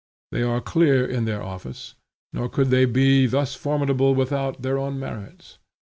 They are clear in their office, nor could they be thus formidable without their own merits.